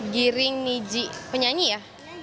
giring niji penyanyi ya